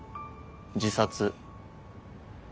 自殺。